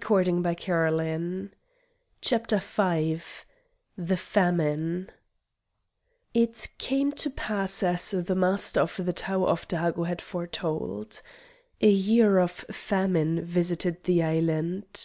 CHAPTER V The Famine It came to pass as the Master of the Tower of Dago had foretold. A year of famine visited the island.